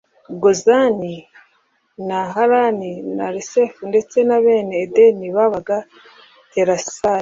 Gozani h na harani i na resefu ndetse na bene edeni babaga telasari